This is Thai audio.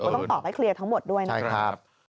ต้องตอบให้เคลียร์ทั้งหมดด้วยนะครับ